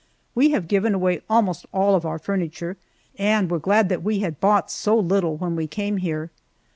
We have given away almost all of our furniture, and were glad that we had bought so little when we came here.